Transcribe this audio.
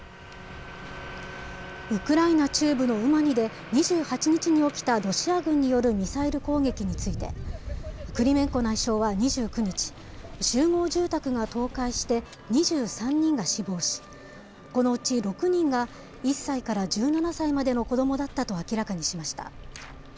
ウクライナ中部のウマニで２８日に起きたロシア軍によるミサイル攻撃について、クリメンコ内相は２９日、集合住宅が倒壊して２３人が死亡し、このうち６人が１歳から１７歳までの子どもだったと明らかにしました。